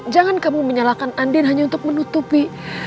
jangan kamu menyalahkan andin hanya untuk menutupi